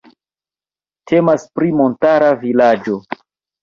Temas pri montara vilaĝo.